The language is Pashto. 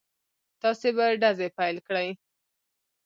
تاسې به ډزې پيل کړئ.